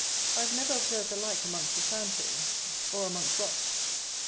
I have never observed the like amongst the sand hills, or amongst rocks.